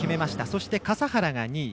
そして、笠原が２位。